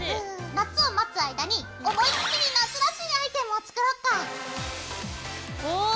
夏を待つ間に思いっきり夏らしいアイテムを作ろっか！おかわいい！